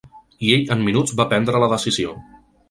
I ell en minuts va prendre la decisió.